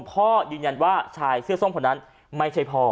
พ่อยืนยันว่าชายเสื้อส้มคนนั้นไม่ใช่พ่อ